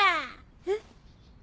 えっ？